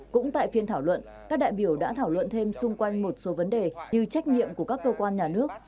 cũng tại phiên thảo luận các đại biểu đã thảo luận thêm xung quanh một số vấn đề như trách nhiệm của các cơ quan nhà nước